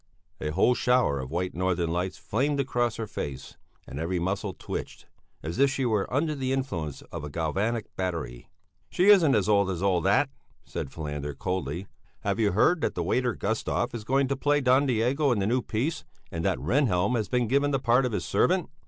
A whole shower of white northern lights flamed across her face and every muscle twitched, as if she were under the influence of a galvanic battery. "She isn't as old as all that," said Falander coldly. "Have you heard that the waiter Gustav is going to play Don Diego in the new piece, and that Rehnhjelm has been given the part of his servant?